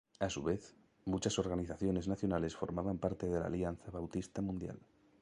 A su vez, muchas organizaciones nacionales forman parte de la Alianza Bautista Mundial.